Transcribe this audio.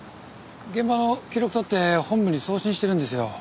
現場の記録取って本部に送信しているんですよ。